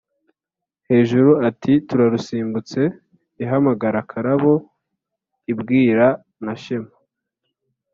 hejuru iti: “Turarusimbutse.” Ihamagara Karabo, ibwira na Shema